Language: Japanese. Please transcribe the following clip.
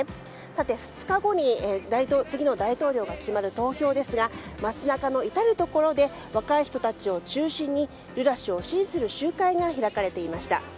さて、２日後に次の大統領が決まる投票ですが街中の至るところで若い人たちを中心にルラ氏を支持する集会が開かれていました。